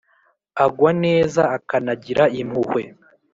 agwa neza akanagira impuhwe;